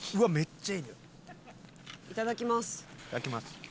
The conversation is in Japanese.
いただきます。